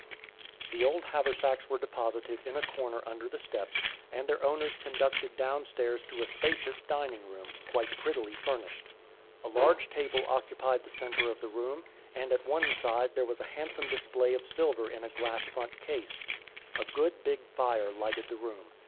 The old haversacks were deposited in a corner under the steps, and their owners conducted down stairs to a spacious dining room, quite prettily furnished. A large table occupied the centre of the room, and at one side there was a handsome display of silver in a glass front case. A good big fire lighted the room.